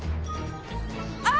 あ！